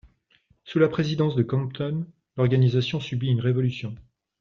Sous la présidence de Compton, l'organisation subit une révolution.